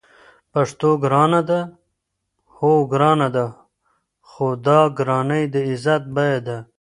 پښتو ګرانه ده؟ هو، ګرانه ده؛ خو دا ګرانی د عزت بیه ده